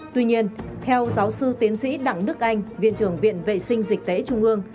tuy nhiên theo giáo sư tiến sĩ đặng đức anh viện trưởng viện vệ sinh dịch tễ trung ương